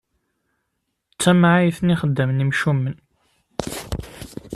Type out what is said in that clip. D tamɛayt n ixeddamen imcumen.